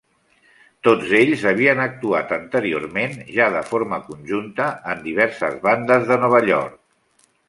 Tots ells havien actuat anteriorment, ja de forma conjunta, en diverses bandes de Nova York.